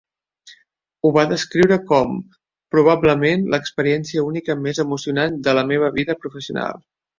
Ho va descriure com "probablement l'experiència única més emocionant de la meva vida professional".